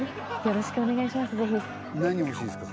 よろしくお願いします